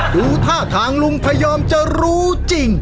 ดูท่าทางลุงพยายามจะรู้จัก